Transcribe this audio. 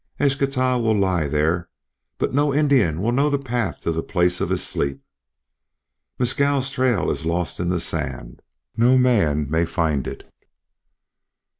Eschtah will lie there, but no Indian will know the path to the place of his sleep. Mescal's trail is lost in the sand. No man may find it.